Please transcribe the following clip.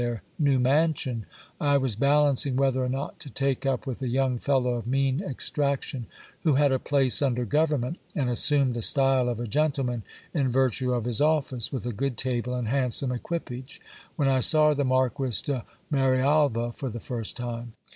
249 their new mansion, I was balancing whether or not to take up with a young fellow of mean extraction, who had a place under government, and assumed the stvle of a gentleman in virtue of his office, with a good table and handsome equipage, when I saw the Marquis de Marialva for the first time.